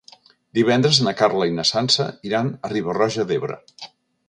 Divendres na Carla i na Sança iran a Riba-roja d'Ebre.